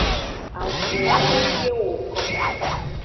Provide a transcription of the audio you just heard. Avunwo kengkeng woko.